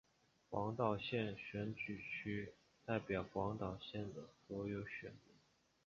广岛县选举区代表广岛县的所有选民。